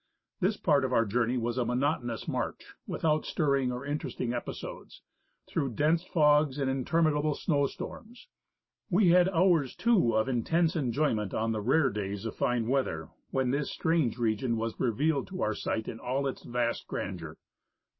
This part of our journey was a monotonous march, without stirring or interesting episodes, through dense fogs and intermin able snow storms. We had hours, too, of intense enjoyment on the rare days of fine weather, when this strange region was re vealed to our sight in all its vast grandeur.